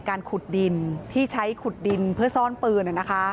ขุดดินที่ใช้ขุดดินเพื่อซ่อนปืน